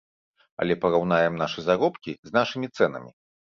Але параўнаем нашы заробкі з нашымі цэнамі.